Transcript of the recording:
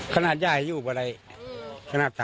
สากหญ้าอยู่บะเร